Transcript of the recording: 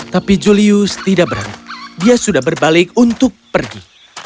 tapi julius tidak berani dia sudah berbalik untuk pergi